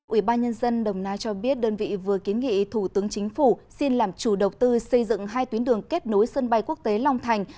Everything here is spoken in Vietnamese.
ủy ban nhân dân đồng nai cho biết đơn vị vừa kiến nghị thủ tướng chính phủ xin làm chủ đầu tư xây dựng hai tuyến đường kết nối sân bay quốc tế long thành